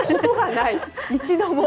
一度も？